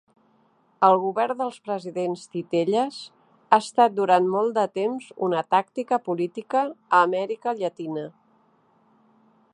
El govern dels presidents titelles ha estat durant molt de temps una tàctica política a Amèrica Llatina.